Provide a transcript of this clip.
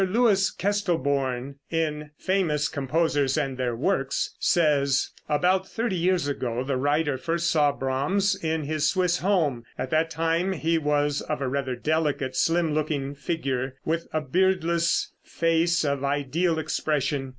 Louis Kestelborn, in "Famous Composers and Their Works," says: "About thirty years ago the writer first saw Brahms in his Swiss home; at that time he was of a rather delicate, slim looking figure, with a beardless face of ideal expression.